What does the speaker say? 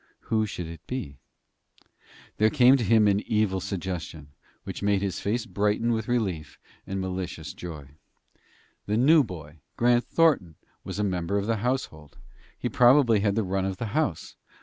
Who should it be? There came to him an evil suggestion which made his face brighten with relief and malicious joy. The new boy, Grant Thornton, was a member of the household. He probably had the run of the house.